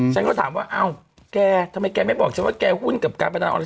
ฉันก็ถามว่าอ้าวแกทำไมแกไม่บอกฉันว่าแกหุ้นกับการพนันออนไ